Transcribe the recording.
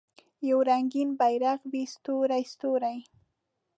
یو رنګین بیرغ وي ستوری، ستوری